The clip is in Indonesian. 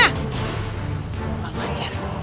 aku akan cari